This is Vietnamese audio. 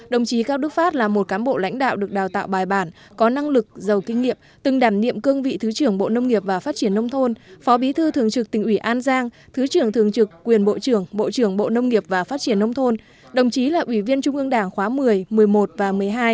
đồng chí cao đức phát là một cán bộ lãnh đạo được đào tạo bài bản có năng lực giàu kinh nghiệm từng đảm nhiệm cương vị thứ trưởng bộ nông nghiệp và phát triển nông thôn phó bí thư thường trực tỉnh ủy an giang thứ trưởng thường trực quyền bộ trưởng bộ trưởng bộ nông nghiệp và phát triển nông thôn đồng chí là ủy viên trung ương đảng khóa một mươi một mươi một và một mươi hai